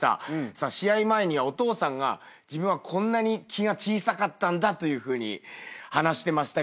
試合前にお父さんが自分はこんなに気が小さかったんだというふうに話してましたけども。